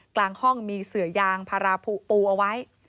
กลางห้องมีเสือยางพาราภูปูเอาไว้